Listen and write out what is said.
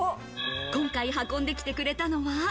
今回、運んできてくれたのは。